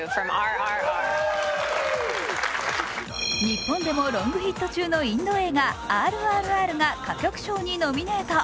日本でもロングヒット中のインド映画「ＲＲＲ」が歌曲賞にノミネート。